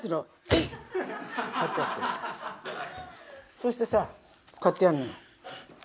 そうしてさこうやってやんのよ。